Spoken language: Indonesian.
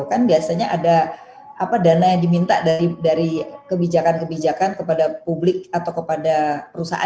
kan biasanya ada dana yang diminta dari kebijakan kebijakan kepada publik atau kepada perusahaan